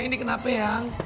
ini kenapa yang